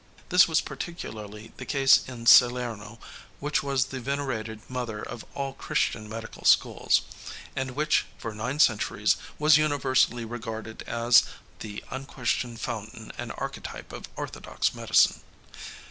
This was particularly the case in Salerno, which was the venerated mother of all Christian medical schools, and which, for nine centuries, was universally regarded as "the unquestioned fountain and archetype of orthodox medicine."